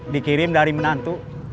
dikirim dari menantu